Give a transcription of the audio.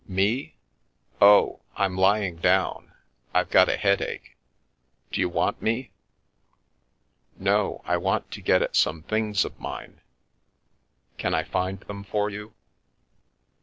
" "Me? Oh — I'm lying down. I've got a headache. D'you want me ?"" No — I want to get at some things of mine." " Can I find them for you